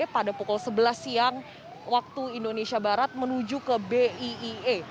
pada pukul sebelas siang waktu indonesia barat menuju ke bie